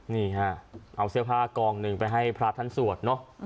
นี่ฮะเอาเสื้อผ้ากองหนึ่งไปให้พระท่านสวดเนอะ